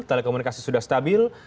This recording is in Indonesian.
telekomunikasi sudah stabil